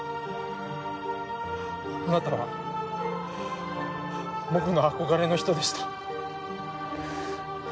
あなたは僕の憧れの人でした。